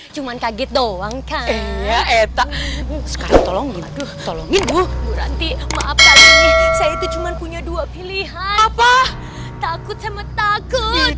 cuman kaget doang kan enggak